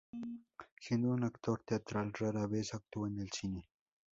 Siendo un actor teatral, rara vez actuó en el cine.